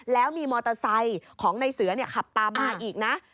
แล้วมีมอเตอร์ไซค์ของในเสือขับตามมาอีกนะ